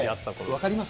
分かります？